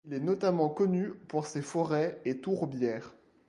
Il est notamment connu pour ses forêts et tourbières.